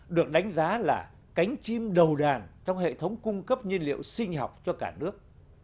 được đánh giá là cánh chim đầu đàn trong hệ thống cung cấp nhiên liệu sinh học cho cả nước